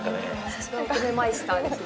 さすがお米マイスターですね。